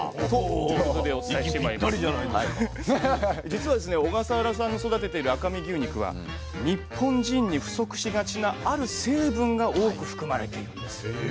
実はですね小笠原さんが育てている赤身牛肉は日本人に不足しがちなある成分が多く含まれているんですよ。え？